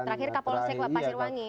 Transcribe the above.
terakhir kak polsek pak pasirwangi